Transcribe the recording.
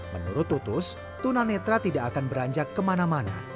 menurut tutus tuna netra tidak akan beranjak kemana mana